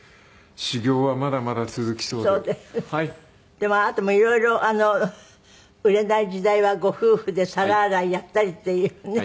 でもあなたも色々売れない時代はご夫婦で皿洗いやったりっていうね。